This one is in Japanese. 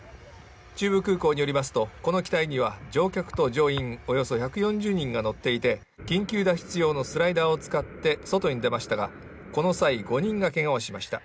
中部空港によりますとこの機体には乗客と乗員およそ１４０人が乗っていて緊急脱出用のスライダーを使って外に出ましたがこの際、５人がけがをしました。